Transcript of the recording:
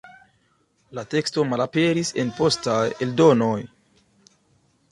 La teksto malaperis en postaj eldonoj.